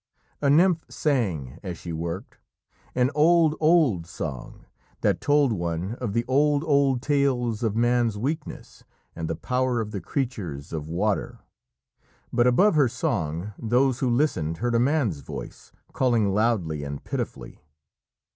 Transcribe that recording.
A nymph sang as she worked, an old, old song, that told one of the old, old tales of man's weakness and the power of the creatures of water, but above her song those who listened heard a man's voice, calling loudly and pitifully.